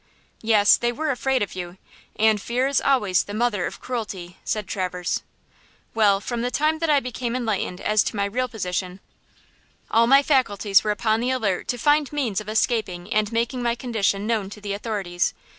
"Yes, they were afraid of you, and fear is always the mother of cruelty," said Traverse. "Well, from the time that I became enlightened as to my real position, all my faculties were upon the alert to find means of escaping and making my condition known to the authorities.